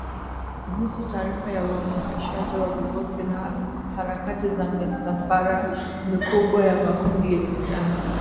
kuhusu taarifa ya uhamasishaji wa vikosi na harakati za misafara mikubwa ya makundi yenye silaha